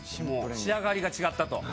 仕上がりが違ったと。